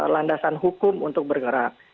landasan hukum untuk bergerak